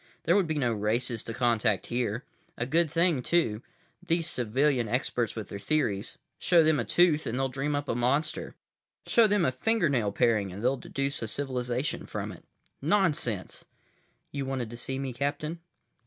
There would be no races to contact here. A good thing, too. These civilian experts with their theories—show them a tooth and they'll dream up a monster. Show them a fingernail paring and they'll deduce a civilization from it. Nonsense! "You wanted to see me, Captain?"